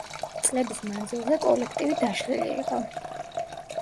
წლების მანძილზე კოლექტივი დაშლილი იყო.